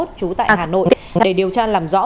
trú tại hà nội để điều tra làm rõ